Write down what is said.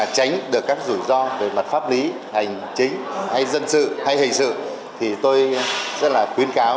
tránh được các rủi ro về mặt pháp lý hành chính hay dân sự hay hình sự thì tôi rất là khuyến cáo